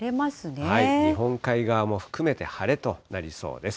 日本海側も含めて晴れとなりそうです。